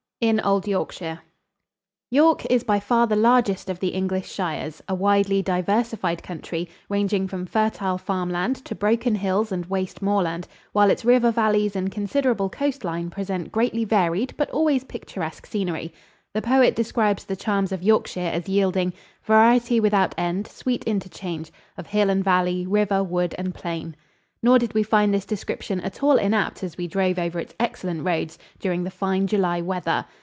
XII IN OLD YORKSHIRE York is by far the largest of the English shires, a widely diversified country, ranging from fertile farm land to broken hills and waste moorland, while its river valleys and considerable coast line present greatly varied but always picturesque scenery. The poet describes the charms of Yorkshire as yielding "Variety without end, sweet interchange Of hill and valley, river, wood and plain." Nor did we find this description at all inapt as we drove over its excellent roads during the fine July weather.